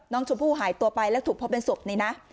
น้องชมพู่หายตัวไปแล้วถูกพบเป็นศพนี่นะ